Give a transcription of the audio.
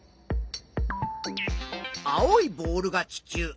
青いボールが地球。